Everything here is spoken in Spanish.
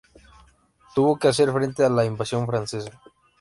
Tuvo que hacer frente a la invasion francesa.